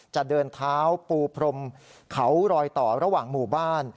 จะเดินเท้าปูพรมเขารอยต่อระหว่างหมู่บ้าน